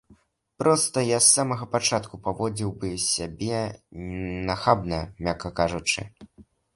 Проста я з самага пачатку паводзіў бы сябе нахабна, мякка кажучы.